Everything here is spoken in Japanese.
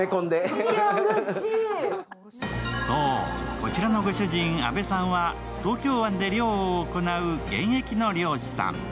こちらのご主人、阿部さんは東京湾で漁を行う、現役の漁師さん。